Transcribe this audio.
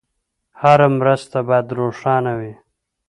هره مرسته باید روښانه وي.